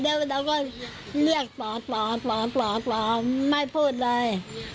ไม่พูดเลยเราก็เรียกต่อต่อต่อต่อต่อไม่พูดเลย